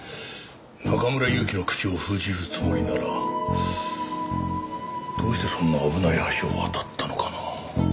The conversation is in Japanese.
中村祐樹の口を封じるつもりならどうしてそんな危ない橋を渡ったのかな。